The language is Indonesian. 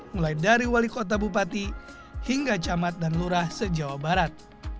mulai dari wali kota bupati hingga camat dan lurah se jawa barat